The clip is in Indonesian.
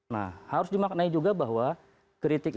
nah harus dimaknai juga bahwa kritik itu